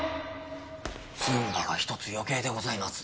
ずんばが１つ余計でございます。